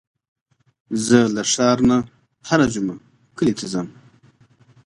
زه له ښار نه هره جمعه کلي ته ځم.